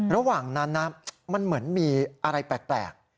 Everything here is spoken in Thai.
ระหว่างนั้นนะมันเหมือนมีอะไรแปลก